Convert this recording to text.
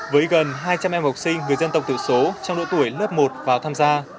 với gần hai trăm linh em học sinh người dân tộc thiểu số trong độ tuổi lớp một vào tham gia